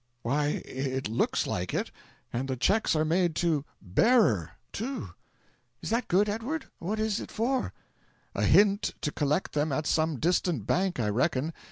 "Why, it looks like it. And the cheques are made to 'Bearer,' too." "Is that good, Edward? What is it for?" "A hint to collect them at some distant bank, I reckon.